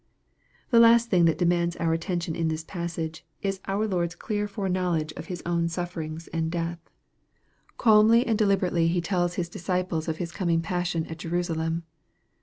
The last thing that demands our attention in this pas sage, is our Lord's clear foreknowledge of His own sufferings MARK, CHAP. X. 215 and death. Calmly and deliberately He tells His disci ples of His coming passion at Jerusalem.